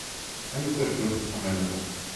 Any such group is amenable.